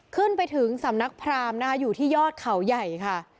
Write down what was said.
ขึ้นไปถึงสำนักพรามนะคะอยู่ที่ยอดเขาใหญ่ค่ะ